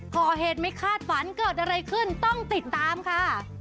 ก่อเหตุไม่คาดฝันเกิดอะไรขึ้นต้องติดตามค่ะ